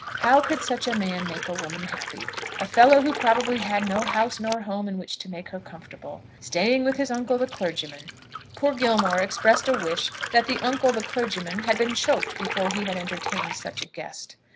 How could such a man make a woman happy, a fellow who probably had no house nor home in which to make her comfortable? Staying with his uncle the clergyman! Poor Gilmore expressed a wish that the uncle the clergyman had been choked before he had entertained such a guest.